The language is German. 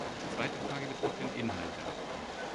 Die zweite Frage betrifft den Inhalt der Abkommen.